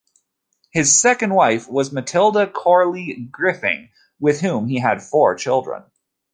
His second wife was Matilda Coley Griffing, with whom he had four children.